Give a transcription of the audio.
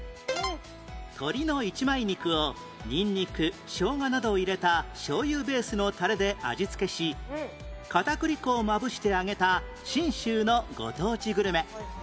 鶏の一枚肉をニンニクショウガなどを入れた醤油ベースのタレで味付けし片栗粉をまぶして揚げた信州のご当地グルメ